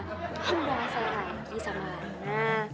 om udah asal lagi sama lana